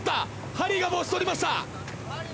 ハリーが帽子取りました。